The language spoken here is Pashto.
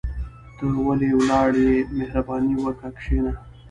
ته ولي ولاړ يى مهرباني وکاه کشينه